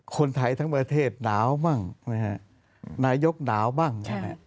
คนไทยทั้งประเทศหนาวบ้างนายกหนาวบ้าง